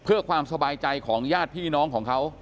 เพื่อความสบายใจของญาติพี่น้องของเขา